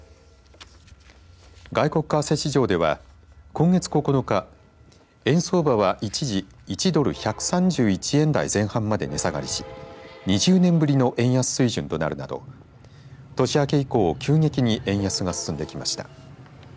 外国為替市場では今月９日円相場は、一時１ドル、１３１円台前半まで値下がりし２０年ぶりの円安水準となるなど年明け以降、急激に円安が進んできました。